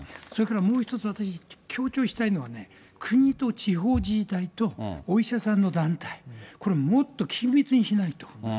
それからもう一つ、私、強調したいのはね、国と地方自治体とお医者さんの団体、これ、もっと緊密にしないと。